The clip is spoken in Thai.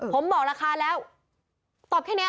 ผมบอกราคาแล้วตอบแค่นี้